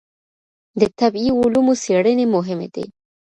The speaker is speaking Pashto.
د طبعي علومو څېړنې مهمې دي.